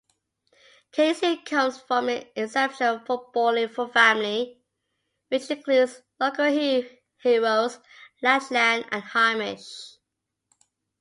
Casey comes from an exceptional footballing family which includes local heroes Lachlan and Hamish.